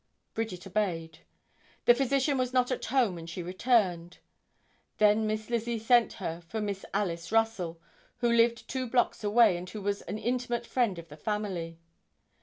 Bridget obeyed. The physician was not at home and she returned. Then Miss Lizzie sent her for Miss Alice Russell, who lived two blocks away, and who was an intimate friend of the family.